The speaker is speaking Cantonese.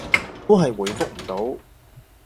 都係回覆唔到